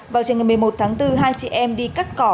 vào trường ngày một mươi một tháng bốn hai chị em đi cắt cỏ